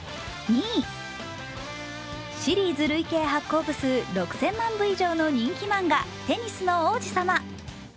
シリーズ累計発行部数６０００万部以上の人気漫画「テニスの王子様」。